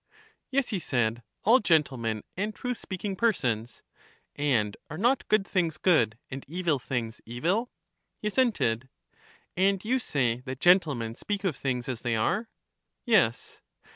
Yes, he said, — all gentlemen and truth speaking persons. And are not good things good, and evil things evil? He assented. And you say that gentlemen speak of things as they are? Yes.